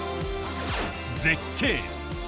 絶景。